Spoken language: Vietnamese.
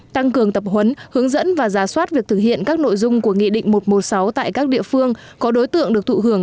tăng cường tập huấn hướng dẫn và giả soát việc thực hiện các nội dung của nghị định một trăm một mươi sáu tại các địa phương có đối tượng được thụ hưởng